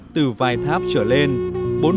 từ vài tháp trở lên